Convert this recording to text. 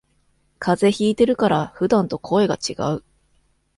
風邪ひいてるから普段と声がちがう